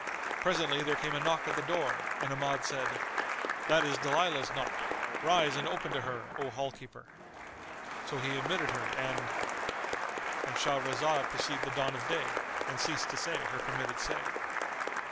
Presently there came a knock at the door and Ahmad said, "That is Dalilah's knock: rise and open to her, O hall keeper." So he admitted her and——And Shahrazad perceived the dawn of day and ceased to say her permitted say.